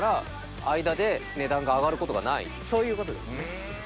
そういうことですね。